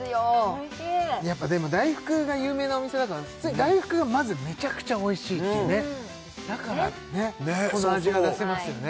おいしいやっぱでも大福が有名なお店だから大福がまずめちゃくちゃおいしいっていうねだからこの味が出せますよね